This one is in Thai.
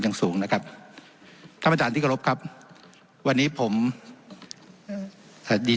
ยังสูงนะครับท่านประธานที่กรบครับวันนี้ผมสวัสดี